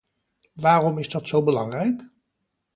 Waarom is dat zo belangrijk?